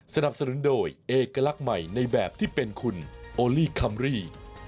สนับสนุนโดยเอกลักษณ์ใหม่ในแบบที่เป็นคุณโอลี่คัมรี่